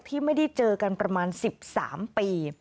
ที่ไม่ได้เจอกันประมาณ๑๓ปี